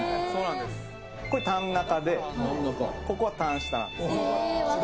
これタン中で、ここはタン下なんですよ。